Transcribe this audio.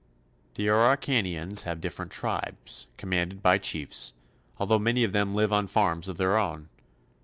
The Araucanians have different tribes, commanded by chiefs, although many of them live on farms of their own.